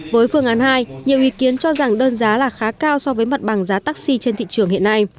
với phương án hai nhiều ý kiến cho rằng đơn giá là khá cao so với mặt bằng giá taxi trên thị trường hiện nay